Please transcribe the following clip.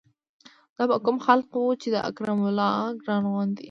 دا به کوم خلق وو چې د اکرام الله ګران غوندې